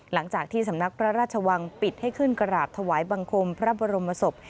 หลังจากที่สำนักพระราชวังปิดให้ขึ้นกราบถวายบังคมพระบรมศพ